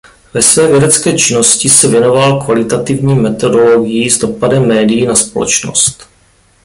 Ve své vědecké činnosti se věnoval kvalitativní metodologii s dopadem médií na společnost.